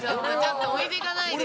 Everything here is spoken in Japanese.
置いてかないでよ。